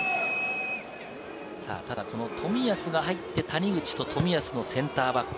ただこの冨安が入って、谷口と冨安のセンターバック。